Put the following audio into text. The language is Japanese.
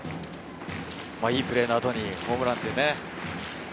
いいプレーの後にホームランという。